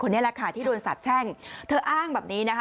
นี่แหละค่ะที่โดนสาบแช่งเธออ้างแบบนี้นะคะ